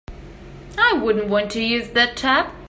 I wouldn't want to use that tub.